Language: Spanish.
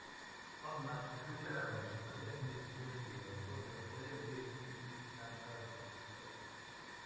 Hoffmann escucha la conversación y así descubre que Antonia puede morir si canta demasiado.